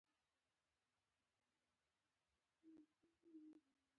اوس خو د جنت پهٔ منارو ولاړه ده